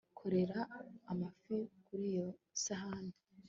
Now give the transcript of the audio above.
korera amafi kuri iyo sahani